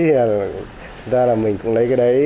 thế là mình cũng lấy cái đấy